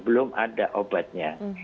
belum ada obatnya